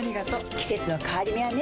季節の変わり目はねうん。